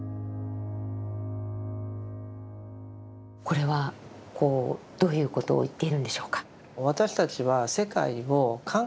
これはどういうことを言っているんでしょうか？